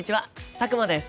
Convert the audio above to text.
佐久間です。